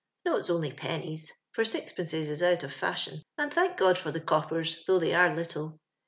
No, if s only pennies (for sixpences is out of fashion); and tlionk God for the coppers, though they arc little.